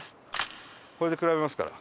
これで比べますから。